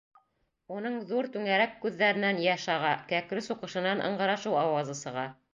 Уның ҙур түңәрәк күҙҙәренән йәш аға, кәкре суҡышынан ыңғырашыу ауазы сыға.